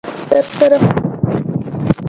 درسره خوندي یې کړه !